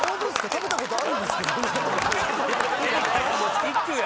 食べたことあるんですけどね。